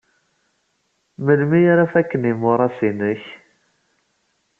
Melmi ara faken yimuras-nnek?